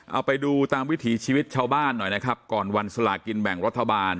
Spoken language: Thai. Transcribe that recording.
เอาไปดูตามวิถีชีวิตชาวบ้านหน่อยนะครับก่อนวันสลากินแบ่งรัฐบาล